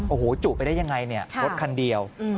โอ้โหจุไปได้ยังไงเนี่ยรถคันเดียว